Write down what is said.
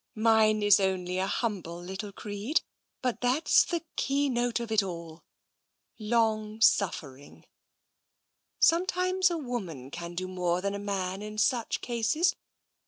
Mine is only a humble little creed, but that's the key note of it all. Long suffering. Sometimes a woman can do more than a man in such cases.